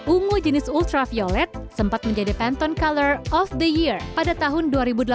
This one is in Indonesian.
ungu jenis ultraviolet sempat menjadi paton color of the year pada tahun dua ribu delapan belas